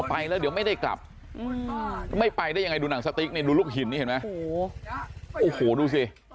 อาจจะต้องไม่ไปแล้วไม่ได้ไม่ไปได้ไงดูลงสตริเรียลูกหินแถนวะดื้อสิ